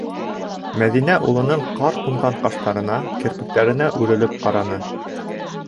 Мәҙинә улының ҡар ҡунған ҡаштарына, керпектәренә үрелеп ҡараны.